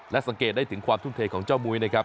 และสังเกตได้ถึงความทุ่มเทของเจ้ามุ้ยนะครับ